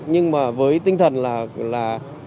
nhưng với tinh thần là